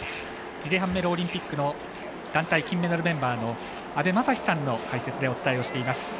リレハンメルオリンピックの団体金メダルメンバーの阿部雅司さんの解説でお伝えしています。